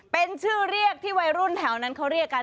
เป็นชื่อเรียกที่วัยรุ่นแถวนั้นเขาเรียกกัน